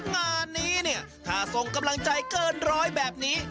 งานนี้เนี่ยถ้าส่งกำลังใจเกินร้อยแบบนี้